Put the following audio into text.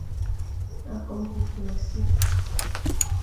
A kobo kig fulassi.